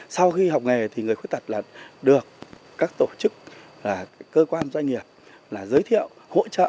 sau khi học nghề thì người khuyết tật được các tổ chức cơ quan doanh nghiệp là giới thiệu hỗ trợ